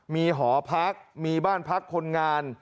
มีหอพักมีบ้านพักคนงาน